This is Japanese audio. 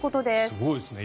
すごいですね。